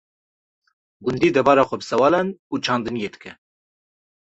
Gundî debara xwe bi sewalan û çandiniyê dike.